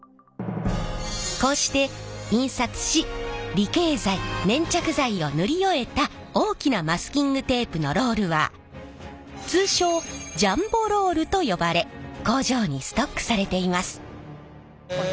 こうして印刷し離型剤粘着剤を塗り終えた大きなマスキングテープのロールは通称ジャンボロールと呼ばれ工場にストックされています。